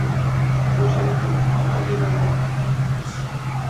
Xo`sh, yana kimda qanday muammo